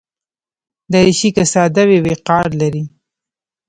دریشي که ساده وي، وقار لري.